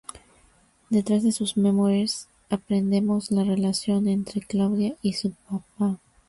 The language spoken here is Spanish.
Detrás de sus memories, aprendemos la relación entre Claudia y su papa.